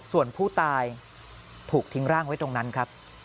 ส่วนผู้ตายถูกทิ้งร่างไว้ตรงนั้นครับ